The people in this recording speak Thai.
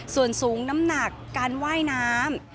ส่วนสูงน้ำหนักการว่ายน้ำ